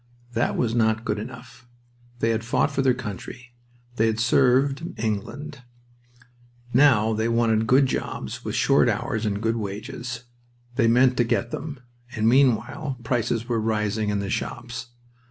That was not good enough. They had fought for their country. They had served England. Now they wanted good jobs with short hours and good wages. They meant to get them. And meanwhile prices were rising in the shops.